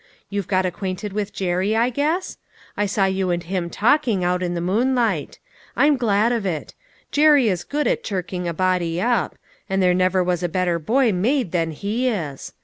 You've got acquainted with Jerry, I guess ? I saw you and him talking, out in the moonlight. I'm glad of it. Jerry is good at chirking a body up ; and there never was a better boy made than he is.